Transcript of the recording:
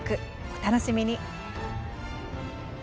お楽しみに。